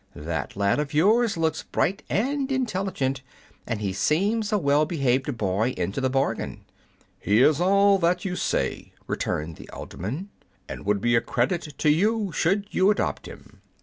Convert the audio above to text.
That lad of yours looks bright and intelligent, and he seems a well behaved boy into the bargain." "He is all that you say," returned the alderman, "and would be a credit to you should you adopt him."